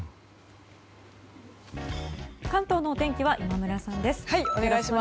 関東のお天気は今村さんです。